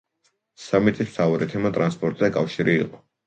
სამიტის მთავარი თემა „ტრანსპორტი და კავშირი“ იყო.